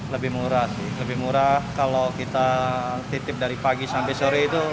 lebih murah lebih murah kalau kita titip dari pagi sampai sore itu